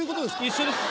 一緒です。